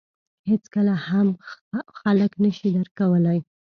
• هېڅکله هم خلک نهشي درک کولای.